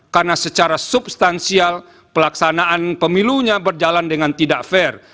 karena secara substansial pelaksanaan pemilunya berjalan dengan tidak fair